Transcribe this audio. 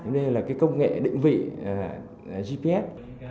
đây là cái công nghệ định vị gps